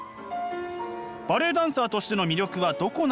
バレエダンサーとしての魅力はどこなのか？